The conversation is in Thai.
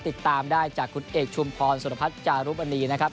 ติดตามได้จากคุณเอกชุมพรสุรพัฒน์จารุมณีนะครับ